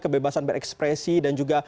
kebebasan berekspresi dan juga